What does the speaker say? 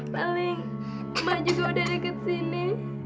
paling emak juga sudah dekat sini